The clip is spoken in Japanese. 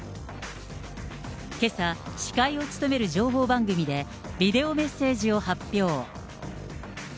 けさ、司会を務める情報番組で、ビデオメッセージを発表。